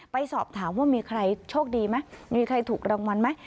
ไปสอบถามว่ามีใครโชคดีไหมมีใครถูกรางวัลไหม